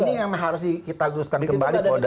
nah ini yang harus kita luluskan kembali polda juga